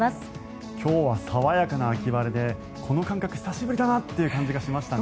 今日は爽やかな秋晴れでこの感覚、久しぶりだなという感じがしましたね。